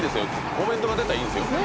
コメント出たらいいんすよ」